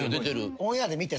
オンエアで見て。